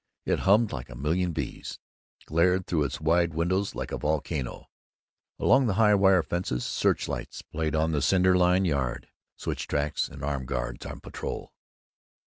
It hummed like a million bees, glared through its wide windows like a volcano. Along the high wire fences, searchlights played on cinder lined yards, switch tracks, and armed guards on patrol.